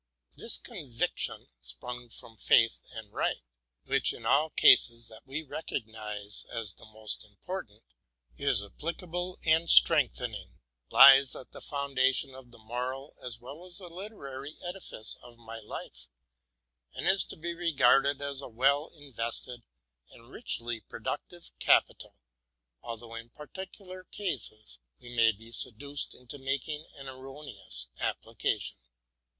This conviction, sprung from faith and sight, which in all cases that we recognize as the most important, is applicable and strengthening, lies at the fountain of the moral as well RELATING TO MY LIFE. 103 as the literary edifice of my iife, and is to be regarded as a well invested and richly productive capital ; although in par ticular cases we may be seduced into making an erroneous application.